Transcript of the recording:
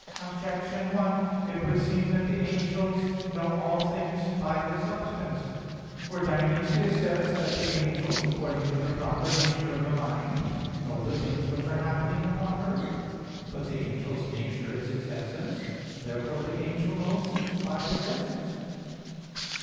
Objection 1: It would seem that the angels know all things by their substance. For Dionysius says (Div. Nom. vii) that "the angels, according to the proper nature of a mind, know the things which are happening upon earth." But the angel's nature is his essence. Therefore the angel knows things by his essence.